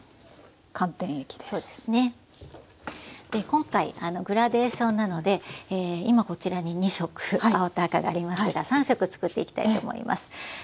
今回グラデーションなので今こちらに２色青と赤がありますが３色作っていきたいと思います。